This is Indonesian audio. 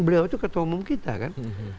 beliau itu ketua umum kita kan